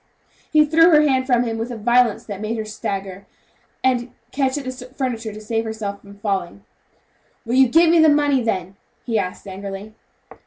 He threw her hand from him with a violence that made her stagger, and catch at the furniture to save herself from falling. "Will you give me the money then?" he asked angrily.